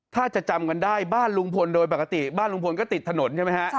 ถ้าจะจำกันได้บ้านลุงพลโดยปกติบ้านลุงพลก็ติดถนนใช่ไหมฮะ